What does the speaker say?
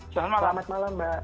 selamat malam mbak